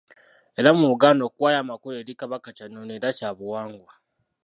Era mu Buganda okuwaayo amakula eri Kabaka kya nnono era kya buwangwa.